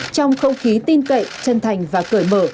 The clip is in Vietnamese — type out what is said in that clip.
trong không khí tin cậy chân thành và cởi mở